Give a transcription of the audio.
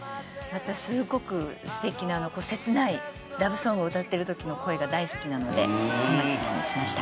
すごく素敵な切ないラブソングを歌ってる時の声が大好きなので玉置さんにしました。